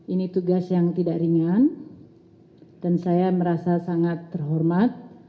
ini tugas yang tidak ringan dan saya merasa sangat terhormat